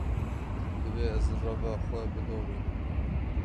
Divê ez reva xwe bidomînim.